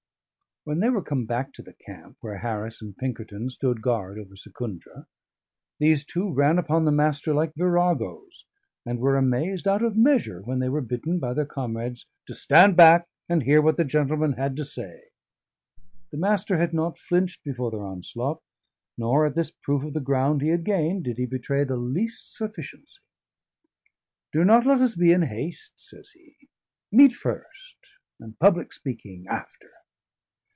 When they were come back to the camp, where Harris and Pinkerton stood guard over Secundra, these two ran upon the Master like viragoes, and were amazed out of measure when they were bidden by their comrades to "stand back and hear what the gentleman had to say." The Master had not flinched before their onslaught; nor, at this proof of the ground he had gained, did he betray the least sufficiency. "Do not let us be in haste," says he. "Meat first and public speaking after."